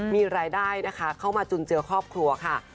มีรายได้นะคะเข้ามาจุนเจือครอบครัวค่ะ